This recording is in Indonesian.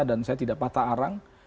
dan saya tidak patah arang